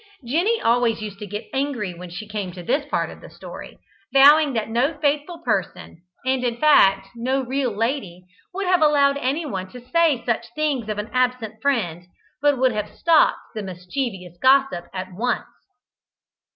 Jenny always used to get angry when she came to this part of the story, vowing that no faithful person, and, in fact, no real lady, would have allowed anyone to say such things of an absent friend, but would have stopped the mischievous gossip at once.